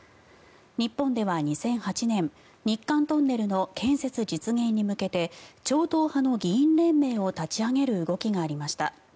日本では２００８年日韓トンネルの建設実現に向けて超党派の議員連盟を立ち上げる動きがありました。